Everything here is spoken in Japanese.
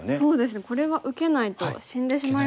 これは受けないと死んでしまいますね。